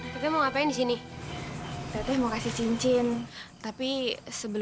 kalau ibu mau suruh maaf vete